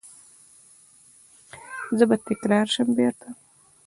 زه به تکرار شم بیرته